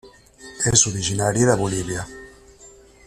És originari de Bolívia.